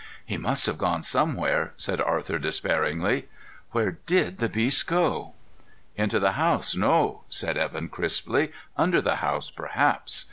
"He must have gone somewhere!" said Arthur despairingly. "Where did the beast go?" "Into the house, no," said Evan crisply. "Under the house, perhaps.